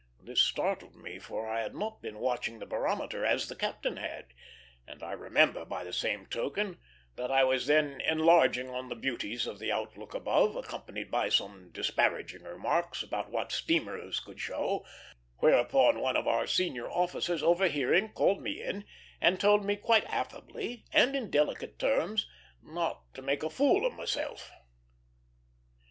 This startled me, for I had not been watching the barometer, as the captain had; and I remember, by the same token, that I was then enlarging on the beauties of the outlook above, accompanied by some disparaging remarks about what steamers could show, whereupon one of our senior officers, over hearing, called me in, and told me quite affably, and in delicate terms, not to make a fool of myself.